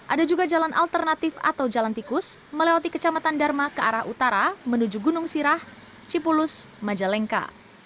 ada juga jalan alternatif atau jalan tikus melewati kecamatan dharma ke arah utara menuju gunung sirah cipulus majalengka